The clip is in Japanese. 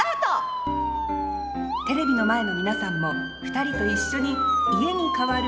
テレビの前の皆さんも２人と一緒に「家」に代わる